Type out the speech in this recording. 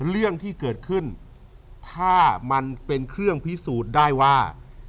เรื่องที่เกิดขึ้นถ้ามันเป็นเครื่องพิสูจน์ได้ว่า